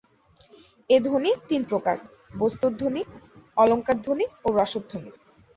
এ ধ্বনি তিন প্রকার বস্ত্তধ্বনি, অলঙ্কারধ্বনি ও রসধ্বনি।